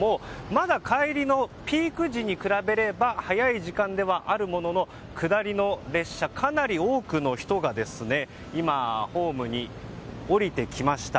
まだ、帰りのピーク時に比べれば早い時間ではあるものの下りの列車、かなり多くの人が今、ホームに降りてきました。